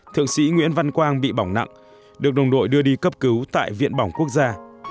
thượng sĩ nguyễn văn quang bị bỏng nặng được đồng đội đưa đi cấp cứu tại viện bỏng quốc gia